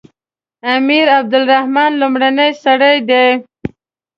امیر عبدالرحمن لومړنی سړی دی.